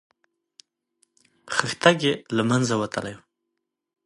خښتګ یې له منځه وتلی.